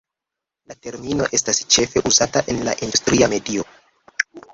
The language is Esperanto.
La termino estas ĉefe uzata en la industria medio.